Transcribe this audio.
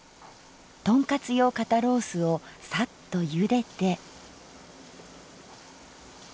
とんかつ用肩ロースをサッとゆでて。